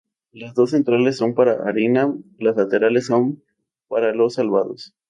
Las dos centrales son para harina, las laterales para los salvados.